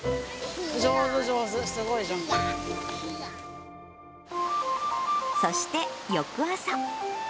上手、上手、そして翌朝。